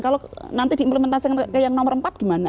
kalau nanti diimplementasi kayak yang nomor empat gimana